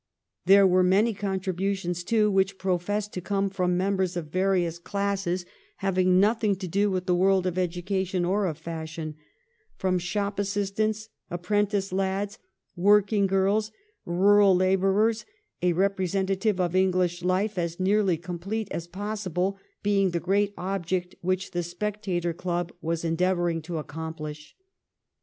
There were many contributions, too, which professed to come from members of various classes having nothing to do with the world of education or of fashion — from shop assistants, ap prentice lads, working girls, rural labourers, a representation of English life as nearly complete as possible being the great object which 'The Spec tator ' Club was endeavouring to accomplish.